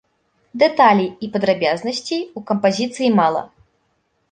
Дэталей і падрабязнасцей у кампазіцыі мала.